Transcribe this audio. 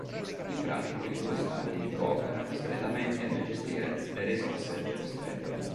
In pratica i due stati cooperano strettamente nel gestire le risorse dello stretto.